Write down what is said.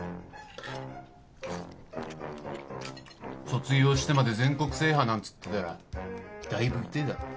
卒業してまで全国制覇なんっつってたらだいぶ痛えだろ。